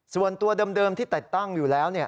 ส่วนตัวเดิมที่ติดตั้งอยู่แล้ว